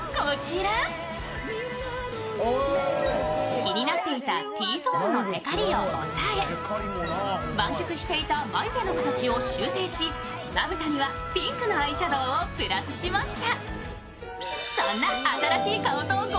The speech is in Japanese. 気になっていたＴゾーンのテカリを抑え湾曲していた眉毛の形を修正し、まぶたにはピンクのアイシャドウをプラスしました。